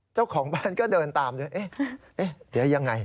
เจ้าของบ้านก็เดินตามด้วยเอ๊ะเดี๋ยวยังไง